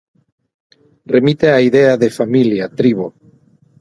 Remite á idea de familia, tribo...